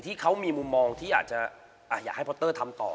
ที่เขามีมุมมองที่อาจจะอยากให้พอเตอร์ทำต่อ